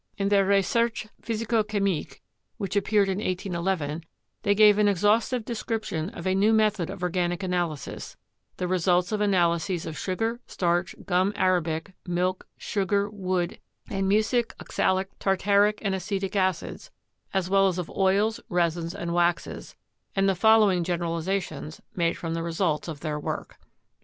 In their "Recherches physico chimiques," which ap peared in 181 1, they gave an exhaustive description of a new method of organic analysis, the results of analyses of sugar, starch, gum arabic, milk sugar, wood, and mucic, oxalic, tartaric and acetic acids, as well as of oils, resins and waxes, and the following generalizations made from the results of their work: 1.